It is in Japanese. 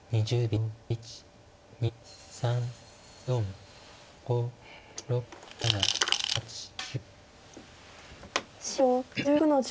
２０秒。